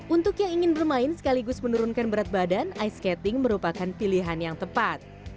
untuk yang ingin bermain sekaligus menurunkan berat badan ice skating merupakan pilihan yang tepat